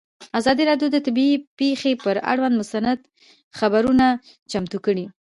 ازادي راډیو د طبیعي پېښې پر اړه مستند خپرونه چمتو کړې.